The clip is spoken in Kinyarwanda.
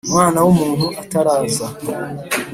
Umwana w umuntu ataraza